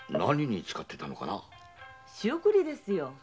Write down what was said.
仕送りですよ。